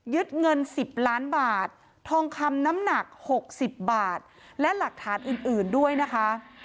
เงิน๑๐ล้านบาททองคำน้ำหนัก๖๐บาทและหลักฐานอื่นด้วยนะคะ